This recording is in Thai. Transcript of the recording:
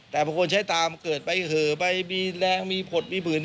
แต่บางคนใช้ตามเกิดไปเหอะไปมีแรงมีผลมีผื่น